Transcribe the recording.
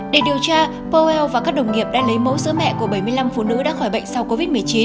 để điều tra powell và các đồng nghiệp đã lấy mẫu sữa mẹ của bảy mươi năm phụ nữ đã khỏi bệnh sau covid một mươi chín